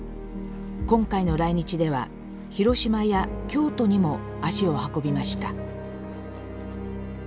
今回の来日では広島や京都にも足を運びました。